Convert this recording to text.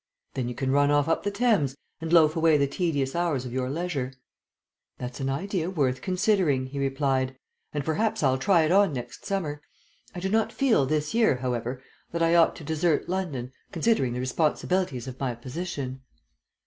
"Then you can run off up the Thames, and loaf away the tedious hours of your leisure." "That's an idea worth considering," he replied, "and perhaps I'll try it on next summer. I do not feel this year, however, that I ought to desert London, considering the responsibilities of my position."